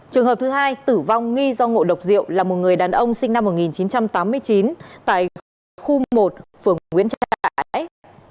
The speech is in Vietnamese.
trường hợp thứ hai tử vong nghi do ngộ độc rượu là một người đàn ông sinh năm một nghìn chín trăm tám mươi chín tại khu một phường nguyễn